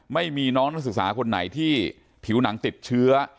ไม่มีน้องนักศึกษาคนไหนที่ผิวหนังติดเชื้อ